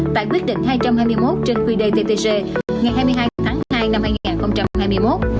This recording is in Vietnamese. tại quyết định hai trăm hai mươi một trên quy đề ttc ngày hai mươi hai tháng hai năm hai nghìn hai mươi một